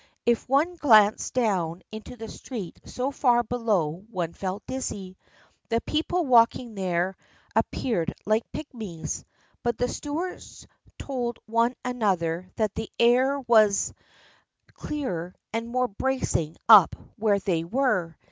If one glanced down into the street so far below one felt dizzy. The people walking there appeared like pygmies. But the Stuarts told one another that the air was 12 THE FRIENDSHIP OF ANNE clearer and more bracing up where they were.